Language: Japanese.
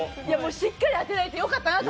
しっかり当てられてよかったなと。